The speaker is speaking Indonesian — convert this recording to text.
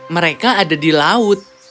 mereka ada di laut